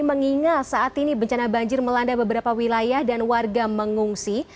mengingat saat ini bencana banjir melanda beberapa wilayah dan warga mengungsi